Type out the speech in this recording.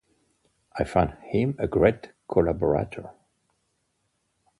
I find him a great collaborator.